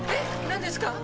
何ですか？